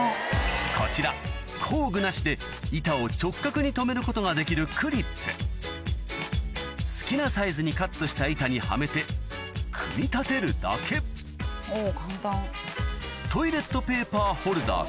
こちら工具なしで板を直角に留めることができるクリップ好きなサイズにカットした板にはめて組み立てるだけおぉ簡単。